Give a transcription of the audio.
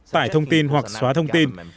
tải thông tin hoặc xóa thông tin